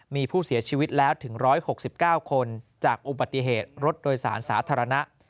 มีผู้เสียชีวิตแล้วถึง๑๖๙คนจากอุบัติเหตุรถโดยสารสาธารณะ